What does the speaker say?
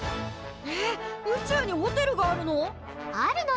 えっ宇宙にホテルがあるの！？